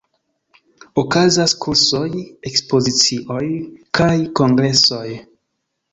Okazas kursoj, ekspozicioj kaj kongresoj.